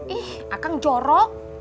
ih akan jorok